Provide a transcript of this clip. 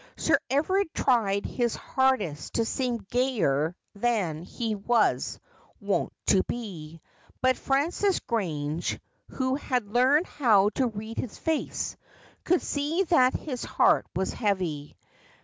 Sir Everard tried his hardest to seem gayer than he was wont to be ; but Frances Grange, who had learned how to read his face, could see that his heart was heavy.